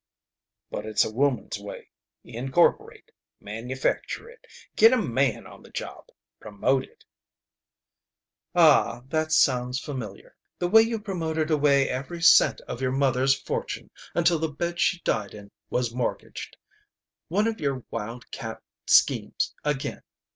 "But it's a woman's way. Incorporate. Manufacture it. Get a man on the job. Promote it!" "Ah, that sounds familiar. The way you promoted away every cent of your mother's fortune until the bed she died in was mortgaged. One of your wildcat schemes again!